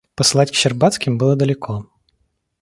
Посылать к Щербацким было далеко.